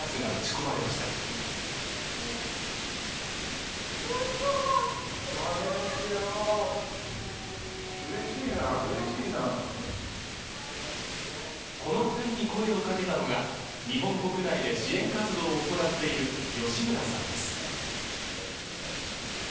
この２人に声をかけたのが日本国内で支援活動を行っている吉村さんです